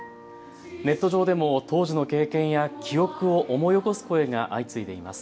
ネット上でも当時の経験や記憶を思い起こす声が相次いでいます。